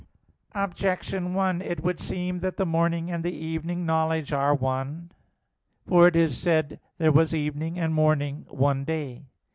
Objection 1: It would seem that the morning and the evening knowledge are one. For it is said (Gen. 1:5): "There was evening and morning, one day."